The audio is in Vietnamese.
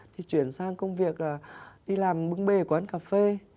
thì chuyển sang công việc là đi làm bưng bề quán cà phê